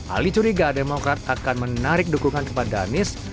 ali curiga demokrat akan menarik dukungan kepada anies